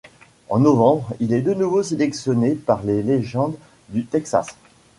En novembre, il est de nouveau sélectionné par les Legends du Texas.